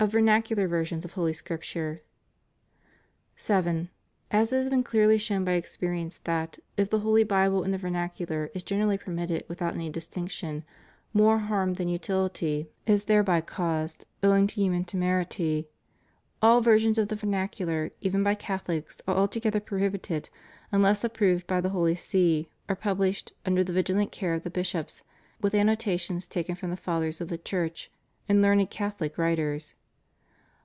Of Vernacular Versions of Holy Scripture. 7. As it has been clearly shown by experience that, if the Holy Bible in the vernacular is generally permitted without any distinction, more harm than utility is thereby THE PROHIBITION AND CENSORSHIP OF BOOKS. 413 caused, owing to human temerity: all versions in the vernacular, even by Catholics, are altogether prohibited, unless approved by the Holy See, or pubHshed, under the vigilant care of the bishops, with annotations taken from the Fathers of the Church and learned Catholic writers.